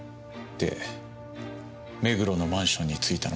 で目黒のマンションに着いたのが８時半。